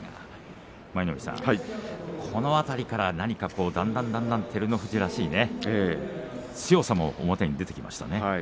舞の海さん、この辺りから何かだんだんだんだん照ノ富士らしい強さも前に出てきましたね。